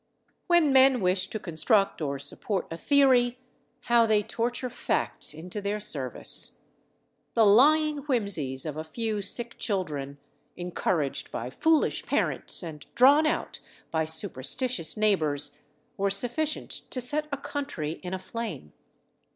When men wish to construct or support a theory, how they torture facts into their service! The lying whimsies of a few sick children, encouraged by foolish parents, and drawn out by superstitious neighbours, were sufficient to set a country in a flame.